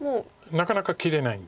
なかなか切れないんですけど。